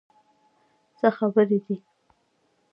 څه خبرې دي؟